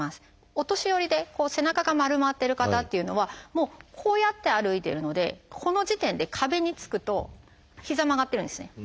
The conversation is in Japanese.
お年寄りで背中が丸まってる方っていうのはこうやって歩いてるのでこの時点で壁につくと膝曲がってるんですね。